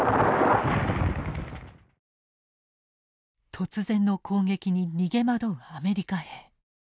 突然の攻撃に逃げ惑うアメリカ兵。